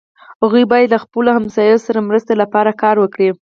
هغوی باید له خپلو ګاونډیو سره مرستې لپاره کار وکړي.